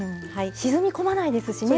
沈み込まないですしね